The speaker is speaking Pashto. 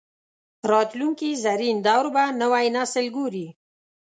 راتلونکي زرین دور به نوی نسل ګوري